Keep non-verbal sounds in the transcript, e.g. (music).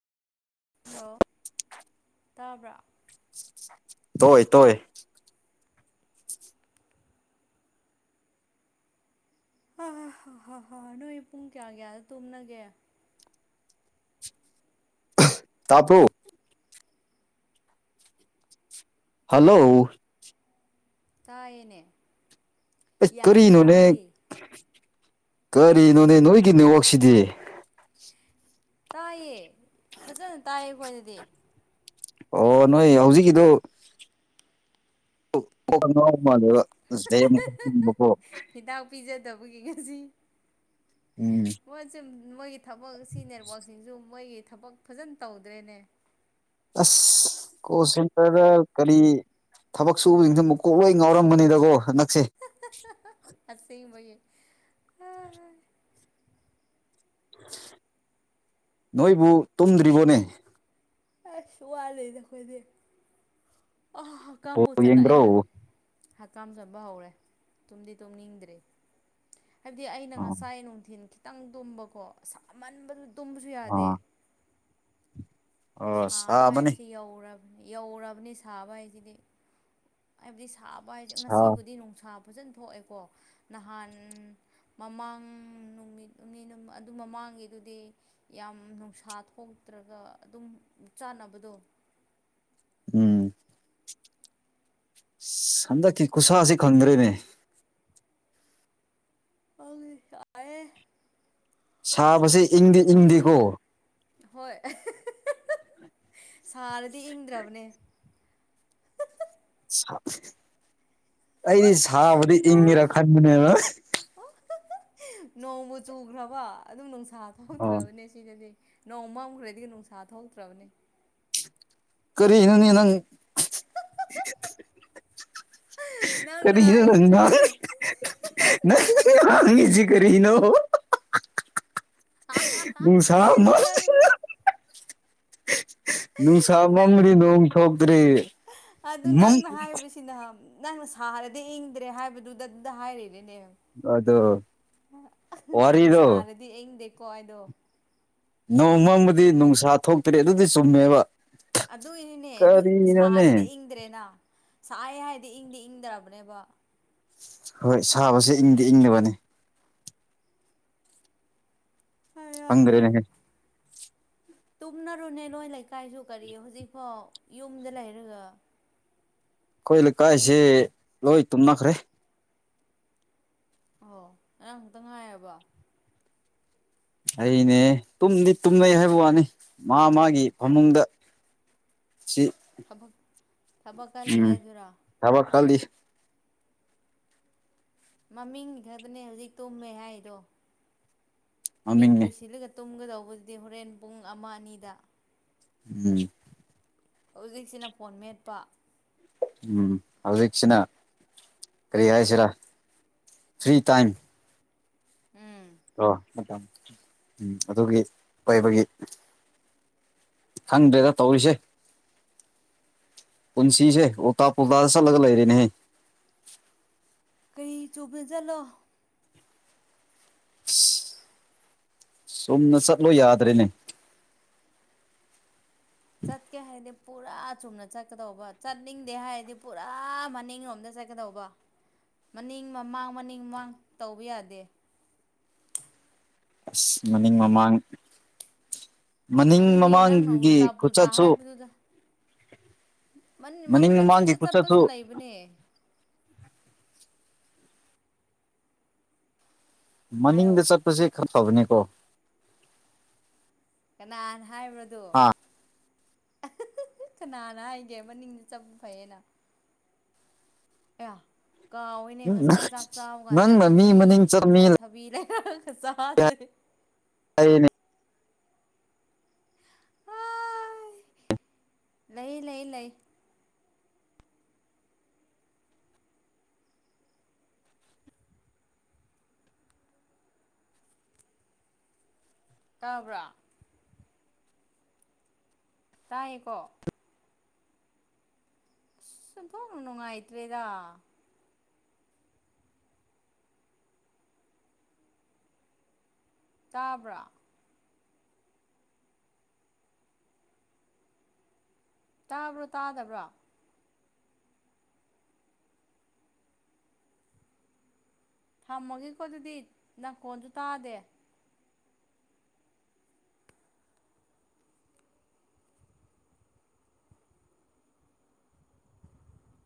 hello ꯇꯥꯕ꯭ꯔꯥ ꯇꯣꯏ ꯇꯣꯏ ꯍꯥ ꯍ ꯍ ꯍ ꯍ ꯅꯣꯏ ꯄꯨꯡ ꯀꯌꯥ ꯀꯌꯥꯗ ꯇꯨꯝꯅꯒꯦ ꯇꯥꯄꯨ ꯍꯜꯂꯣ ꯇꯥꯏꯌꯦꯅꯦ ꯑꯩꯁ ꯌꯥꯝ ꯀꯔꯤꯅꯣꯅꯦ ꯇꯥꯏꯌꯦ ꯀꯔꯤꯅꯣꯅꯦ ꯅꯣꯏꯒꯤ ꯅꯤꯋꯣꯛꯁꯤꯗꯤ ꯇꯥꯏꯌꯦ ꯐꯖꯅ ꯇꯥꯏꯌꯦ ꯑꯩꯣꯏꯗꯗꯤ ꯑꯣ ꯅꯣꯏ ꯍꯧꯖꯤꯛꯀꯤꯗꯨ ꯃꯥꯜꯂꯦꯕ ꯖꯦꯨꯣ ꯍꯤꯗꯥꯛ ꯄꯤꯖꯗꯕꯒꯤ ꯉꯁꯤ ꯎꯝ ꯃꯣꯏꯁꯦ ꯃꯣꯏꯒꯤ ꯊꯕꯛ ꯁꯤ ꯅꯦꯠꯋꯥꯛꯁꯤꯡꯁꯨ ꯃꯣꯏꯒꯤ ꯊꯕꯛ ꯐꯖꯅ ꯇꯧꯗ꯭ꯔꯦꯅꯦ ꯑꯁ ꯀꯣꯁꯤꯡꯇꯔꯗ ꯀꯔꯤ ꯊꯕꯛ ꯁꯨꯕꯁꯤꯡꯁꯦ ꯑꯃꯨꯛ ꯀꯣꯛꯂꯣꯏ ꯉꯥꯎꯔꯝꯕꯅꯤꯗꯀꯣ ꯍꯟꯛꯁꯦ ꯑ ꯁ ꯑꯣꯏꯌꯦ ꯅꯣꯏꯕꯨ ꯇꯨꯝꯗ꯭ꯔꯤꯕꯣꯅꯦ ꯑꯁ ꯋꯥꯂꯗꯦ ꯑꯩꯈꯣꯏꯗꯤ ꯑ ꯍꯛꯀꯝꯕꯨ ꯕꯣꯜ ꯆꯠꯂꯛꯑꯦ ꯌꯦꯡꯗ꯭ꯔꯣ ꯍꯀꯥꯝ ꯆꯟꯕ ꯍꯧꯔꯦ ꯇꯨꯝꯗꯤ ꯇꯨꯝꯅꯤꯡꯗ꯭ꯔꯦ ꯍꯥꯏꯕꯗꯤ ꯑꯩꯅ ꯑꯣ ꯉꯁꯥꯏ ꯅꯨꯡꯊꯤꯜ ꯈꯤꯇꯪ ꯇꯨꯝꯕꯀꯣ ꯑꯃꯟꯕꯁꯨ ꯇꯨꯝꯕꯁꯨ ꯌꯥꯗꯦ ꯑꯣ ꯑꯣ ꯁꯥꯕ ꯁꯥꯕꯅꯤ ꯍꯥꯏꯕꯁꯤ ꯌꯧꯅꯤ ꯌꯧꯔꯕꯅꯤ ꯁꯥꯕ ꯍꯥꯏꯁꯤꯗꯤ ꯍꯥꯏꯕꯗꯤ ꯁꯥꯕ ꯍꯥꯏꯁꯦ ꯁꯥ ꯉꯁꯤꯕꯨꯗꯤ ꯅꯨꯡꯁꯥ ꯐꯖꯅ ꯊꯣꯛꯑꯦꯀꯣ ꯅꯍꯥꯟ ꯃꯃꯥꯡ ꯅꯨꯃꯤꯠ ꯑꯅꯤ ꯑꯗꯨ ꯃꯃꯥꯡꯒꯤꯗꯨꯗꯤ ꯌꯥꯝ ꯅꯨꯡꯁꯥ ꯊꯣꯛꯇ꯭ꯔꯒ ꯑꯗꯨꯝ ꯆꯥꯅꯕꯗꯣ ꯎꯝ ꯍꯟꯗꯛꯀꯤ ꯈꯨꯁꯥꯁꯤ ꯈꯪꯗ꯭ꯔꯦꯅꯦ ꯑꯑ ꯁꯥꯕꯁꯦ ꯏꯪꯗꯤ ꯏꯪꯗꯤꯦꯀꯣ ꯍꯣꯏ ꯁꯥꯔꯗꯤ ꯏꯪꯗ꯭ꯔꯕꯅꯦ ꯑꯩꯗꯤ ꯁꯥꯕꯗꯤ ꯏꯪꯒꯦꯔꯥ ꯈꯟꯕꯅꯦꯕ ꯅꯣꯡꯃ ꯆꯨꯈ꯭ꯔꯕ ꯑꯗꯨꯝ ꯅꯨꯡꯁꯥ ꯊꯣꯛꯥꯎꯇ꯭ꯔꯕꯅꯦ ꯁꯤꯗꯗꯤ ꯅꯣꯡꯃꯝꯈ꯭ꯔꯗꯤꯗꯒꯤ ꯅꯨꯡꯁꯥ ꯊꯣꯛꯇ꯭ꯔꯕꯅꯤ ꯀꯔꯤꯅꯤ ꯅꯪ (unintelligible) ꯅꯪꯅ ꯀꯔꯤꯁꯨ ꯍꯥꯏꯗꯨꯅꯦ ꯅꯪꯅ ꯅꯪꯅ ꯅꯪꯁꯤ ꯑꯦꯔꯅꯣ ꯁ ꯑꯃꯜ ꯅꯪ (unintelligible) ꯅꯨꯡꯁꯥ ꯅꯪ ꯃꯝꯔꯤ ꯅꯣꯡ ꯊꯇ꯭ꯔꯤ ꯃ ꯁꯤꯅ ꯅꯪꯅ ꯁꯥꯔꯗꯤ ꯏꯪꯗ꯭ꯔꯦ ꯍꯥꯏꯕꯗꯨꯗ ꯑꯗꯨꯗ ꯍꯥꯏꯔꯤꯔꯦꯅꯦ ꯑꯗꯣ ꯋꯥꯔꯤꯗꯣ ꯁꯥꯔꯗꯤ ꯑꯩꯪꯗꯦꯀꯣ ꯑꯩꯗꯣ ꯅꯣꯡꯃꯪꯕꯨꯗꯤ ꯅꯨꯡꯁꯥ ꯊꯣꯛꯇ꯭ꯔꯦ ꯑꯗꯨꯗꯤ ꯆꯨꯝꯃꯦꯕ ꯑꯗꯨꯏꯅꯤꯅꯦ ꯑꯗꯨ ꯁꯥꯔꯦꯗꯤ ꯀꯔꯤꯅꯣꯅꯦ ꯏꯪꯗ꯭ꯔꯦꯅ ꯁꯥꯏ ꯍꯥꯏꯗꯤ ꯏꯪꯗꯤ ꯏꯪꯗ꯭ꯔꯕꯅꯦꯕ ꯍꯣꯏ ꯁꯥꯕꯁꯦ ꯏꯪꯗꯤ ꯏꯪꯂꯤꯕꯅꯤ ꯑꯌꯥ ꯍꯪ꯭ꯔꯦꯅꯦ ꯇꯨꯝꯅꯔꯨꯅꯦ ꯅꯣꯏ ꯂꯩꯀꯥꯏꯁꯨ ꯀꯔꯤ ꯍꯧꯖꯤꯛꯐꯥꯎ ꯌꯨꯝꯗ ꯂꯩꯔꯒ ꯑꯩꯈꯣꯏ ꯂꯩꯀꯥꯏꯁꯦ ꯂꯣꯏ ꯇꯨꯝꯅꯈ꯭ꯔꯦ ꯑꯣ ꯉꯔꯥꯡ ꯈꯛꯇ ꯉꯥꯏꯔꯕ ꯑꯩꯅꯦ ꯇꯨꯝꯗꯤ ꯇꯨꯝꯅꯩ ꯍꯥꯏꯕ ꯋꯥꯅꯤ ꯃꯥ ꯃꯥꯒꯤ ꯐꯃꯨꯡꯗ ꯆꯤ ꯊꯕꯛ ꯊꯕꯛ ꯀꯜꯂꯤ‌‌ ꯍꯥꯏꯗꯨꯔ‌ꯣ ꯊꯕꯛ ꯀꯜꯂꯤ ꯃꯃꯤꯡ ꯈꯕꯅꯦ ꯍꯧꯖꯤꯛ ꯇꯨꯝꯃꯦ ꯍꯥꯏꯔꯤꯗꯣ ꯃꯤꯠ ꯃꯃꯤꯡꯅꯤ ꯎꯁꯤꯜꯂꯒ ꯇꯨꯝꯒꯗꯧꯕꯗꯨꯗꯤ ꯍꯣꯔꯦꯟ ꯄꯨꯡ ꯑꯃ ꯑꯅꯤꯗ ꯎꯝ ꯍꯧꯖꯤꯛꯁꯤꯅ ꯐꯣꯟ ꯃꯦꯠꯄ ꯎꯝ ꯍꯧꯖꯤꯛꯁꯤꯅ ꯀꯔꯤ ꯍꯥꯏꯁꯤꯔꯥ ꯐ꯭ꯔꯤ ꯇꯥꯏꯝ ꯎꯝ ꯑꯣ ꯎꯝ ꯑꯗꯨꯒꯤ ꯄꯩꯕꯒꯤ ꯈꯪꯗ꯭ꯔꯦꯗ ꯇꯧꯔꯤꯁꯦ ꯄꯨꯟꯁꯤꯁꯦ ꯑꯣꯇꯥ ꯄꯨꯣꯇꯥꯗ ꯆꯜꯂꯒ ꯂꯩꯔꯦꯅꯦꯍ‌ꯦ ꯀꯔꯤ ꯆꯨꯕꯅ ꯆꯠꯂꯣ (unintelligible) ꯆꯨꯝꯅ ꯆꯠꯂꯣ ꯌꯥꯗ꯭ꯔꯦꯅꯦ ꯆꯠꯀꯦ ꯍꯥꯏꯔꯗꯤ ꯄꯨꯔꯥ ꯆꯨꯝꯅ ꯆꯠꯀꯗꯧꯕ ꯆꯠꯅꯤꯡꯗꯦ ꯍꯥꯏꯔꯗꯤ ꯄꯨꯔꯥ ꯃꯅꯤꯡꯂꯣꯝꯗ ꯆꯠꯀ ꯀꯗꯧꯕ ꯃꯅꯤꯡ ꯃꯃꯥꯡ ꯃꯅꯤꯡ ꯃꯃꯥꯡ ꯇꯧꯕ ꯌꯥꯗꯦ ꯑꯁ ꯃꯅꯤꯡ ꯃꯃꯥꯡ ꯃꯅꯤꯡ ꯑꯗꯨꯅꯦ ꯅꯪꯅ ꯃꯃꯥꯡꯒꯤ ꯎꯜꯇꯥ ꯄꯨꯜꯇꯥ ꯈꯨꯆꯠꯁꯨ ꯍꯥꯏꯕꯗꯨꯗ ꯃꯅꯤꯡ ꯃꯃꯥꯡꯒꯤ ꯃꯅꯤꯡꯗ ꯈꯨꯆꯠꯁꯨ ꯆꯠꯄꯁꯨ ꯂꯩꯕꯅꯦ ꯍꯥꯏꯌꯣ ꯃꯅꯤꯡꯗ ꯆꯠꯄꯁꯤ ꯑꯐꯕꯅꯤꯀ‌ꯣ ꯀꯅꯥꯅ ꯍꯥꯏꯕ꯭ꯔꯗꯨ ꯍꯥ (unintelligible) ꯀꯅꯥꯅ ꯍꯥꯏꯒꯦ ꯃꯅꯤꯡꯅ ꯆꯠꯄ ꯐꯩꯌꯦꯅ ꯑ ꯀꯥꯎꯋꯤꯅꯦ ꯉꯁꯥꯏ ꯆꯥꯛ ꯆꯥꯕ ꯀꯥꯟꯗ ꯅꯪꯅ ꯃꯤ ꯃꯅꯤꯡ ꯊꯕꯤ ꯆꯠ ꯃꯤ ꯉꯁꯥꯏ ꯊꯕꯤꯔ (unintelligible) ꯁꯥꯗ ꯑꯩꯅꯦ (unintelligible) ꯍꯣꯏ ꯂꯩ ꯂꯩ ꯂꯩ ꯇꯥꯕ꯭ꯔꯥ ꯇꯥꯏꯌ‌‌ꯦꯀꯣ ꯑꯁ ꯑ‌ꯣꯟꯊ‌ꯣꯛꯅ ꯅꯨꯡꯉꯥꯏꯇ꯭ꯔꯦꯗ ꯇꯥꯕ꯭ꯔꯥ ꯇꯥꯕ꯭ꯔꯣ ꯇꯥꯗꯕ꯭ꯔꯣ ꯊꯝꯃꯒꯦꯀꯣ ꯑꯗꯨꯗꯤ ꯅꯪꯀꯣꯟꯁꯨ ꯇꯥꯗꯦ